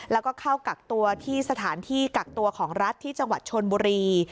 แล้วก็เข้ากักตัวที่สถานที่กักตัวของรัฐที่จังหวัดชนบุรี